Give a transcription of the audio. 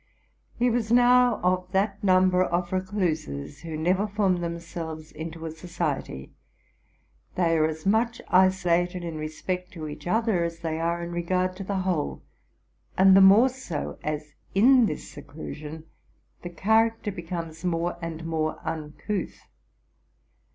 He was now of that number of recluses who never form them selves into a society. They are as much isolated in respect to each other as they are in regard to the whole, and the more so as in this seclusion the character becomes more and more uncouth.